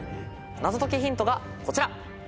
謎解きヒントがこちら。